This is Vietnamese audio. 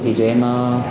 thì tụi em